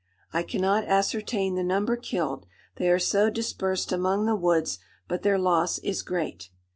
I cannot ascertain the number killed, they are so dispersed among the woods; but their loss is great.